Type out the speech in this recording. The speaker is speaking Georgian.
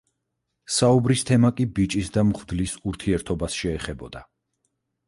საუბრის თემა კი ბიჭის და მღვდლის ურთიერთობას შეეხებოდა.